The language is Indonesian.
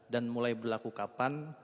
dan mulai berlaku kapan